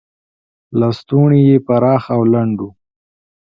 لستوڼي یې پراخ او لنډ و.